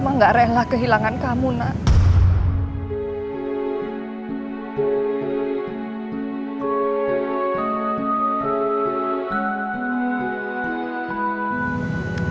mama gak rela kehilangan kamu nak